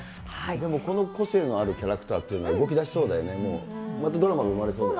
でもこの個性のあるキャラクターっていうのは、動きだしそうだよね、またドラマが生まれそう。